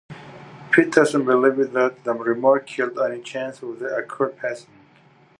Peterson believes that the remark killed any chance of the Accord passing.